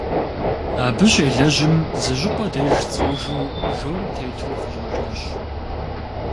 Абы щелэжьым зыщӏыпӏэ деж цӏуужу жор тету къыщӏэщащ.